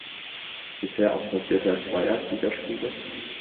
Bisher absolvierte er zwei Erstligaspiele.